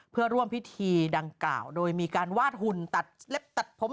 เพื่อร่วมพิธีดังกล่าวโดยมีการวาดหุ่นตัดเล็บตัดผม